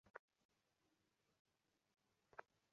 গ্যাংওয়ের নিচের মাটি সরে যাওয়ায় দুই থেকে তিন ফুট দেবে গেছে।